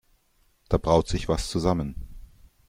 Da braut sich was zusammen.